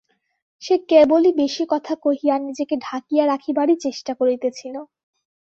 সে কেবলই বেশি কথা কহিয়া নিজেকে ঢাকিয়া রাখিবারই চেষ্টা করিতেছিল।